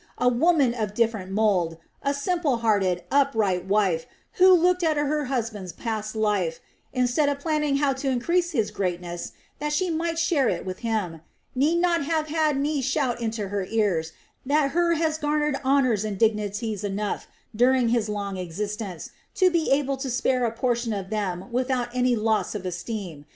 A woman of different mould, a simple hearted, upright wife, who looked at her husband's past life, instead of planning how to increase his greatness, that she might share it with him, need not have had me shout into her ears that Hur has garnered honors and dignities enough, during his long existence, to be able to spare a portion of them without any loss of esteem.